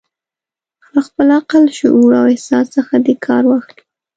له خپل عقل، شعور او احساس څخه دې کار واخلي.